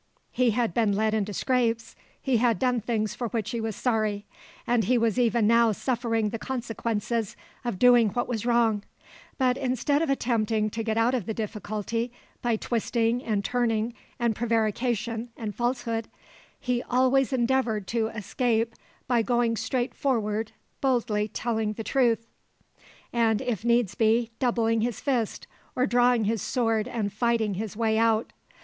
He had been led into scrapes, he had done things for which he was sorry, and he was even now suffering the consequences of doing what was wrong, but instead of attempting to get out of the difficulty by twisting and turning and prevarication and falsehood, he always endeavoured to escape by going straightforward, boldly telling the truth, and, if needs be, doubling his fist, or drawing his sword and fighting his way out.